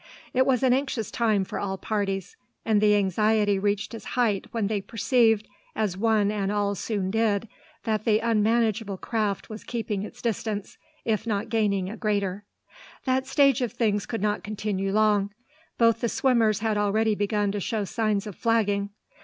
It was an anxious time for all parties; and the anxiety reached its height when they perceived, as one and all soon did, that the unmanageable craft was keeping its distance, if not gaining a greater. That state of things could not continue long. Both the swimmers had already begun to show signs of flagging.